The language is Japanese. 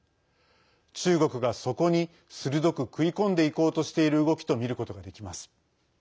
中国が、そこに鋭く食い込んでいこうとしている動きと見ることができます。